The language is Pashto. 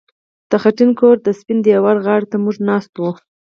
د خټین کور د سپین دېوال غاړې ته موږ ناست وو